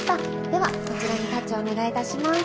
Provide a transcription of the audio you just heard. ではこちらにタッチお願いいたします。